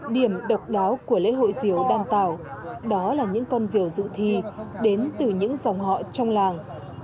điểm độc đáo của lễ hội diều đan tạo đó là những con diều dự thi đến từ những dòng họ trong làng